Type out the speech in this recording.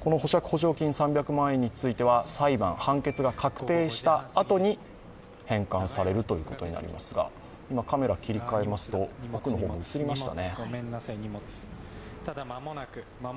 この保釈保証金３００万円については裁判、判決が確定したあとに返還されるということになりますが、カメラを切り替えますと、紙袋２袋ほど見えたでしょうか。